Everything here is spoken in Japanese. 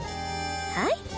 はい。